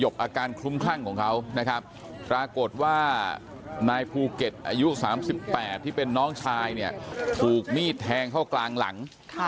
ปรากฏว่านายภูเก็ตอายุ๓๘ที่เป็นน้องชายเนี่ยถูกมีดแทงเข้ากลางหลัง